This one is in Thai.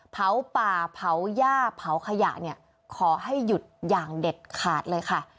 เผาป่าเผาย่าเผาขยะเนี่ยขอให้หยุดอย่างเด็ดขาดเลยค่ะ